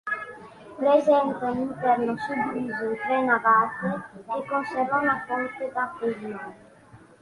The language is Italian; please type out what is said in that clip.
Presenta un interno suddiviso in tre navate che conserva una fonte battesimale.